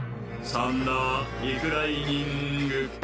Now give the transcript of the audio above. サンダー・リクライニング。